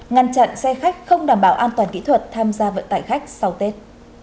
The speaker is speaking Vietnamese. ngăn chặn xe khách không đảm bảo an toàn kỹ thuật tham gia vận tải khách sau tết